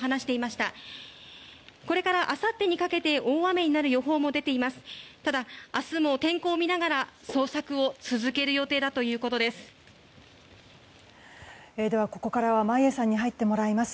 ただ明日も天候を見ながら捜索を続ける予定だということです。